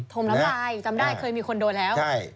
ธมร้ำลายจำได้เคยมีคนโดนแล้วนะฮะอ่าใช่